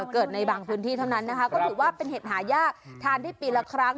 ในบางพื้นที่เท่านั้นนะคะก็ถือว่าเป็นเห็ดหายากทานได้ปีละครั้ง